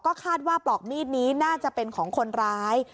คาดว่าปลอกมีดนี้น่าจะเป็นของคนร้าย